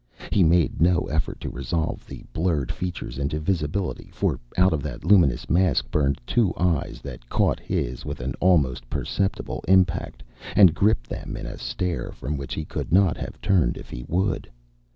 He made no effort to resolve the blurred features into visibility, for out of that luminous mask burned two eyes that caught his with an almost perceptible impact and gripped them in a stare from which he could not have turned if he would.